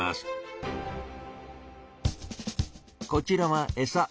こちらはエサ。